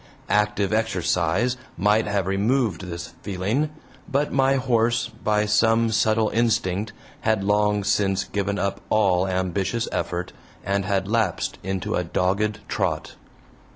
Active exercise might have removed this feeling, but my horse by some subtle instinct had long since given up all ambitious effort, and had lapsed into a dogged trot.